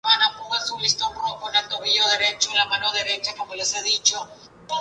El conflicto finalizó en junio con la rendición de las tropas argentinas.